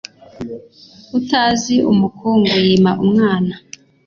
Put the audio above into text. utazi umukungu yima umwana